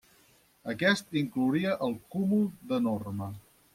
Aquest inclouria el Cúmul de Norma.